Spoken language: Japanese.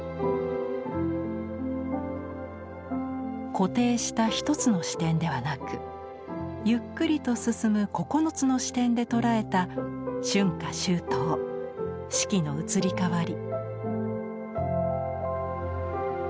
固定した１つの視点ではなくゆっくりと進む９つの視点で捉えた春夏秋冬四季の移り変わり。